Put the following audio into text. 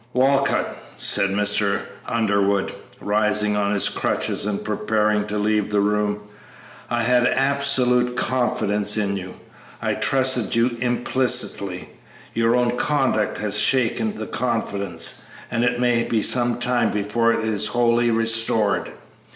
"Walcott," said Mr. Underwood, rising on his crutches and preparing to leave the room, "I had absolute confidence in you; I trusted you implicitly. Your own conduct has shaken that confidence, and it may be some time before it is wholly restored.